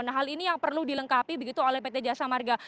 nah hal ini yang perlu dilengkapi begitu oleh pt jasa marga